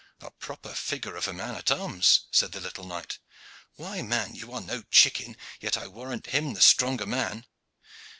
"A proper figure of a man at arms," said the little knight. "Why, man, you are no chicken, yet I warrant him the stronger man.